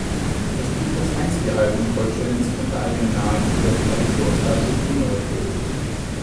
Es blieb das einzige Album Coltranes unter eigenem Namen für das traditionsreiche Blue-Note-Label.